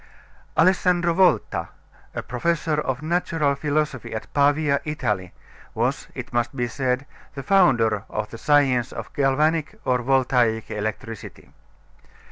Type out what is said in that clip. Alessandro Volta, a professor of natural philosophy at Pavia, Italy, was, it must be said, the founder of the science of galvanic or voltaic electricity.